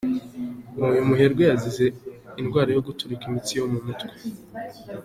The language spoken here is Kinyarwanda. Uyu muherwe yazize indwara yo guturika imitsi yo mu mutwe.